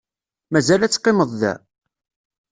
Mazal ad teqqimeḍ da?